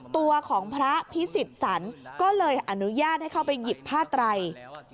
ตัวของพระพิสิทธิ์สันก็เลยอนุญาตให้เข้าไปหยิบผ้าไตร